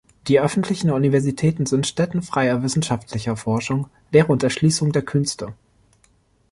Die öffentlichen Universitäten sind Stätten freier wissenschaftlicher Forschung, Lehre und Erschließung der Künste.